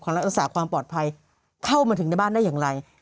รักษาความปลอดภัยเข้ามาถึงในบ้านได้อย่างไร